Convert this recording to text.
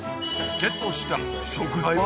ゲットしたい食材は？